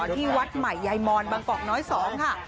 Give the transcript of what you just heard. ที่วัดใหม่ยายมอนบางกอกน้อย๒ค่ะ